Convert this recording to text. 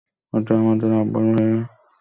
এখন আমাদের আবার, হয়ে বন্ধু থাকতে হবে।